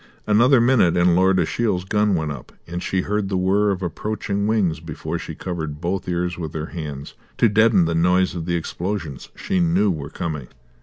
Another minute and Lord Ashiel's gun went up; she heard the whirr of approaching wings before she covered both ears with her hands to deaden the noise of the explosions she knew were coming.